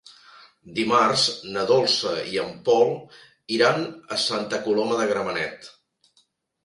Dimarts na Dolça i en Pol iran a Santa Coloma de Gramenet.